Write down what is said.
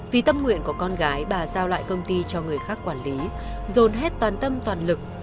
vì tâm nguyện của con gái bà giao lại công ty cho người khác quản lý dồn hết toàn tâm toàn lực